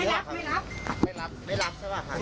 ไม่รับไม่รับ